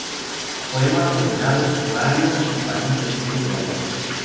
Poemas, ordenados por año y país de origen del autor.